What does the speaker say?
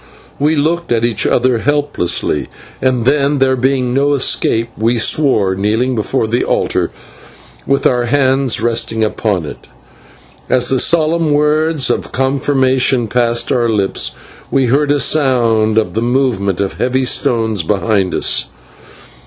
We looked at each other helplessly, and then, there being no escape, we swore, kneeling before the altar, with our hands resting upon it. As the solemn words of confirmation passed our lips, we heard a sound of the movement of heavy stones behind us.